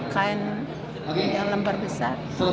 kain yang lembar besar tiga bulan